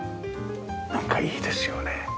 なんかいいですよね。